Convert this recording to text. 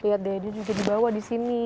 lihat deh dia juga dibawa di sini